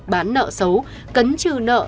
bán nợ xấu cấn trừ nợ